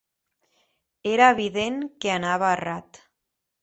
Era evident que anava errat.